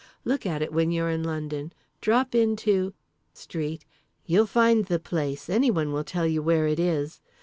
Look at it when you're in London, drop in to —— Street, you'll find the place, anyone will tell you where it is.